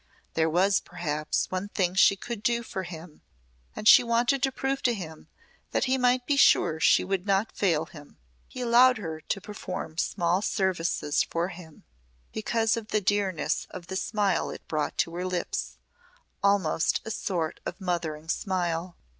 There was, perhaps, one thing she could do for him and she wanted to prove to him that he might be sure she would not fail him. He allowed her to perform small services for him because of the dearness of the smile it brought to her lips almost a sort of mothering smile.